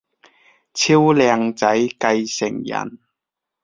超靚仔繼承人